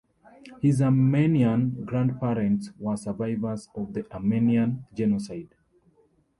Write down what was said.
His Armenian grandparents were survivors of the Armenian Genocide.